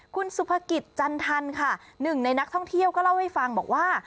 คุณสุภกิจจันทันค่ะหนึ่งในนักท่องเที่ยวก็เล่าให้ฟังบอกว่า